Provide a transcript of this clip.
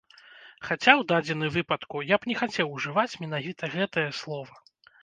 Хаця ў дадзены выпадку я б не хацеў ужываць менавіта гэтае слова.